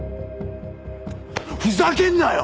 ふざけんなよ！